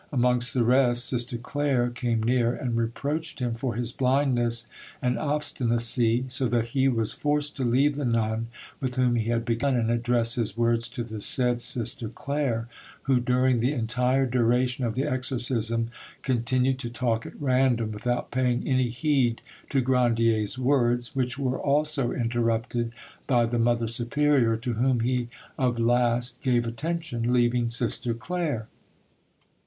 Amongst the rest, Sister Claire came near, and reproached him for his blindness and obstinacy, so that he was forced to leave the nun with whom he had begun, and address his words to the said Sister Claire, who during the entire duration of the exorcism continued to talk at random, without paying any heed to Grandier's words, which were also interrupted by the mother superior, to whom he of last gave attention, leaving Sister Claire.